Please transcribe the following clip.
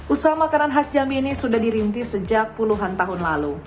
usaha makanan khas jambi ini sudah dirintis sejak puluhan tahun lalu